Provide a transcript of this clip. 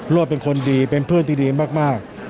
เป็นคนดีเป็นเพื่อนที่ดีมาก